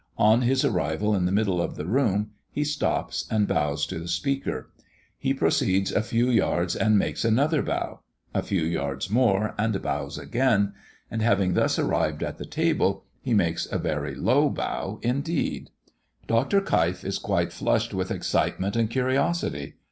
On his arrival in the middle of the room, he stops and bows to the Speaker. He proceeds a few yards, and makes another bow a few yards more, and bows again; and having thus arrived at the table, he makes a very low bow indeed. Dr. Keif is quite flushed with excitement and curiosity.